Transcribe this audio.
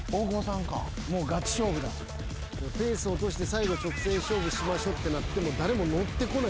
ペース落として最後直線勝負しましょってなっても誰も乗ってこない。